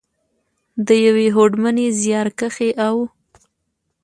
، د یوې هوډمنې، زیارکښې او .